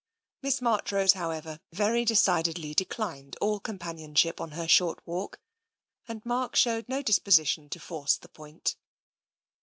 Miss Marchrose, however, very decidedly declined all companionship on her short walk, and Mark showed no disposition to force the point.